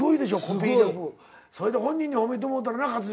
それで本人に褒めてもろたらな勝地。